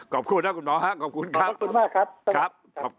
ขอบคุณนะคุณหมอขอบคุณท่านมากครับ